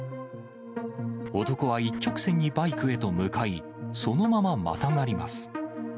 男は一直線にバイクへと向かい、そのまままたがります。